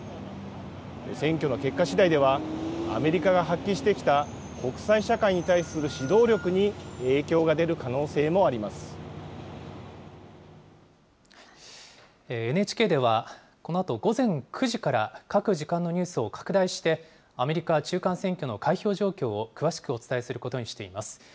選挙の結果しだいでは、アメリカが発揮してきた国際社会に対する指導力に影響が出る可能ＮＨＫでは、このあと午前９時から各時間のニュースを拡大して、アメリカ中間選挙の開票状況を詳しくお伝えすることにしています。